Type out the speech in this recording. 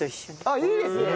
あっいいですね！